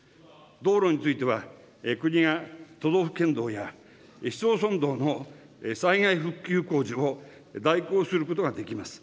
道路については、国が都道府県道や市町村道の災害復旧工事を代行することができます。